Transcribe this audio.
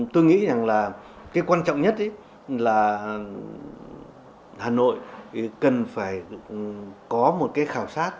tôi nghĩ rằng quan trọng nhất là hà nội cần phải có một khảo sát